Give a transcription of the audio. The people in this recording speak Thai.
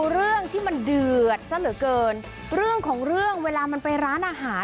เรื่องที่มันเดือดซะเหลือเกินเรื่องของเรื่องเวลามันไปร้านอาหาร